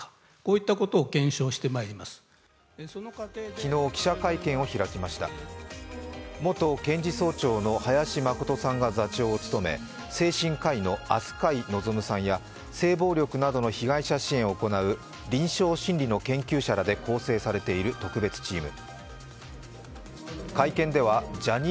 昨日、記者会見を開きました元検事総長の林眞琴さんが座長を務め精神科医の飛鳥井望さんや性暴力などの被害者支援を行う臨床心理の研究者らで構成されている特別チーム。